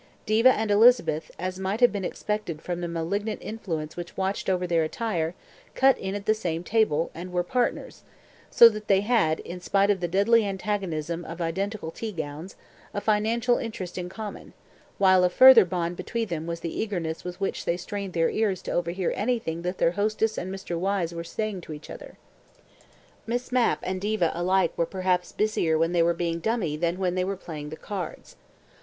Diva and Elizabeth, as might have been expected from the malignant influence which watched over their attire, cut in at the same table and were partners, so that they had, in spite of the deadly antagonism of identical tea gowns, a financial interest in common, while a further bond between them was the eagerness with which they strained their ears to overhear anything that their hostess and Mr. Wyse were saying to each other. Miss Mapp and Diva alike were perhaps busier when they were being dummy than when they were playing the cards.